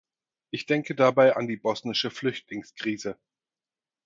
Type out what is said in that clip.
Ich denke dabei an die bosnische Flüchtlingskrise.